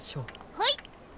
はい。